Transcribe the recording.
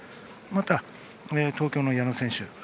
また、東京の矢野選手